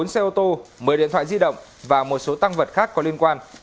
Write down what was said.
bốn xe ô tô một mươi điện thoại di động và một số tăng vật khác có liên quan